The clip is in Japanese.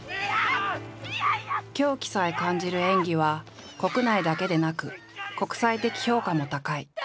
狂気さえ感じる演技は国内だけでなく国際的評価も高い。